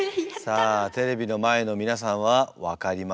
さあテレビの前の皆さんは分かりましたか？